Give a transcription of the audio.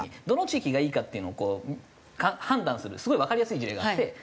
どの地域がいいかっていうのをこう判断するすごいわかりやすい事例があって。